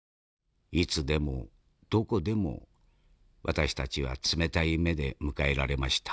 いつでもどこでも私たちは冷たい目で迎えられました。